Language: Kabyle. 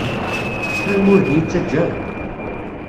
Ttxil-m ur d-iyi-ttaǧǧa ara.